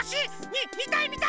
みみたいみたい！